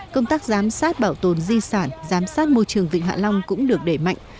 công tác giám sát bảo tồn di sản giám sát môi trường vịnh hạ long cũng được đẩy mạnh